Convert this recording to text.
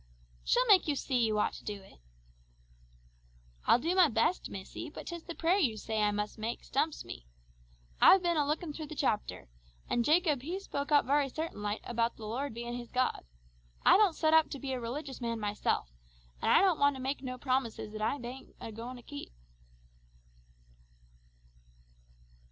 "She'll make you see you ought to do it." "I'll do my best, missy, but 'tis the prayer you say I must make, stumps me. I've been a looking through the chapter, an' Jacob he spoke up very certain like about the Lord being his God. I don't set up to be a religious man myself, and I don't want to make no promises that I bain't a goin' to keep!"